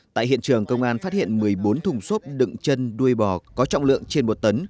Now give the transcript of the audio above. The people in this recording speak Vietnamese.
tại hiện trường công an phát hiện một mươi bốn thùng xốp đựng chân đuôi bò có trọng lượng trên một tấn